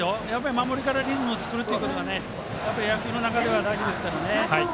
守りからリズムを作るのが野球では大事ですからね。